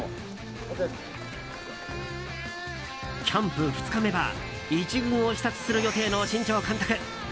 キャンプ２日目は１軍を視察する予定の新庄監督。